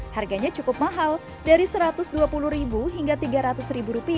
harganya cukup mahal dari rp satu ratus dua puluh hingga rp tiga ratus